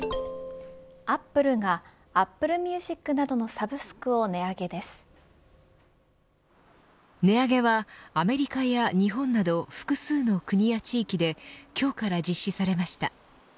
アップルがＡｐｐｌｅＭｕｓｉｃなどの値上げはアメリカや日本など複数の国や地域で今日から実施されました。